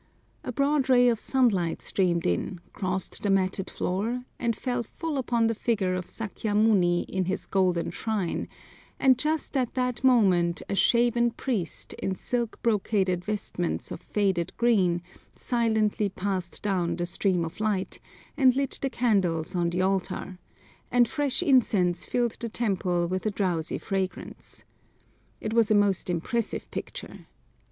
A broad ray of sunlight streamed in, crossed the matted floor, and fell full upon the figure of Sakya muni in his golden shrine; and just at that moment a shaven priest, in silk brocaded vestments of faded green, silently passed down the stream of light, and lit the candles on the altar, and fresh incense filled the temple with a drowsy fragrance. It was a most impressive picture.